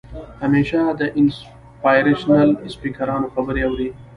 همېشه د انسپارېشنل سپيکرانو خبرې اورئ